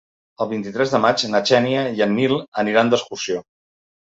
El vint-i-tres de maig na Xènia i en Nil aniran d'excursió.